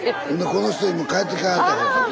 この人今帰ってきはったから。